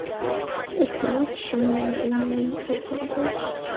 The cut-off joined the main line at Tonbridge.